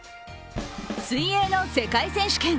水泳の世界選手権。